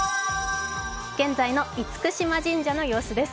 現在の厳島神社の様子です。